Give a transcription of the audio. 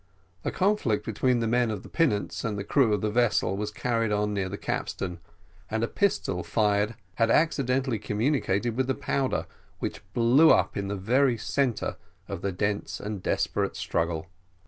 The conflict between the men of the pinnace and the crew of the vessel was carried on near the capstern, and a pistol fired had accidentally communicated with the powder, which blew up in the very centre of the dense and desperate struggle.